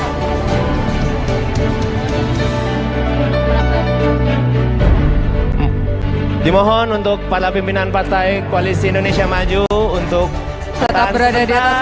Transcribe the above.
hai dimohon untuk kepala pimpinan partai koalisi indonesia maju untuk tak berada di atas